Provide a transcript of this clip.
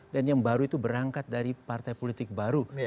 dan yang baru itu berangkat dari partai politik baru